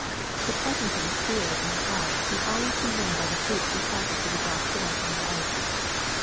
The presence of the Spirit in the heart may always be known by the fruits He causes to be brought forth in the life.